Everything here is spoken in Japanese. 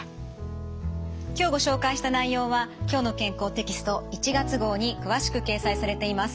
今日ご紹介した内容は「きょうの健康」テキスト１月号に詳しく掲載されています。